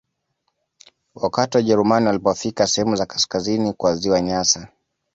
Wakati Wajerumani walipofika sehemu za kaskazini kwa Ziwa Nyasa